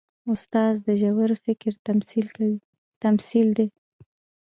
استاد د ژور فکر تمثیل دی.